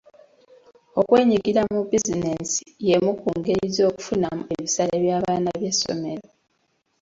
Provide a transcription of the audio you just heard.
Okwenyigira mu bizinensi y'emu ku ngeri z'okufunamu ebisale by'abaana eby'essomero.